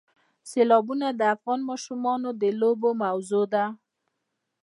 سیلابونه د افغان ماشومانو د لوبو موضوع ده.